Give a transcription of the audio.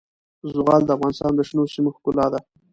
زغال د افغانستان د شنو سیمو ښکلا ده.